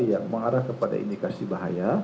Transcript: yang mengarah kepada indikasi bahaya